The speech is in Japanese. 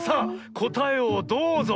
こたえをどうぞ！